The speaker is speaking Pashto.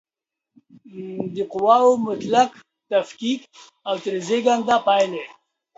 د قواوو مطلق تفکیک او ترې زېږنده پایلې